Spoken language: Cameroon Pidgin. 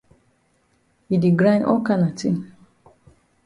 E di grind all kana tin.